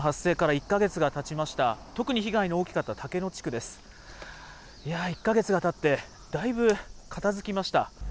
１か月がたって、だいぶ片付きました。